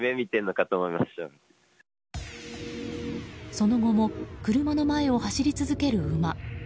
その後も車の前を走り続ける馬。